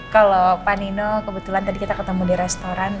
kalau panino kebetulan tadi kita ketemu di restoran